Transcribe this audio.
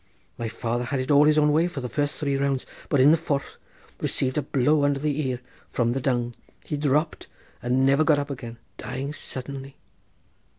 My father had it all his own way for the first three rounds, but in the fourth, receiving a blow under the ear from the dung, he dropped, and never got up again, dying suddenly.